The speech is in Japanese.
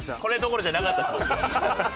これどころじゃなかったです。